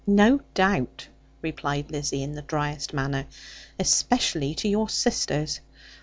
'No doubt,' replied Lizzie, in the driest manner; 'especially to your sisters.